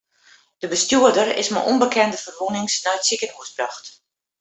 De bestjoerder is mei ûnbekende ferwûnings nei it sikehús brocht.